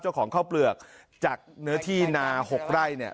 เจ้าของข้าวเปลือกจากเนื้อที่นา๖ไร่เนี่ย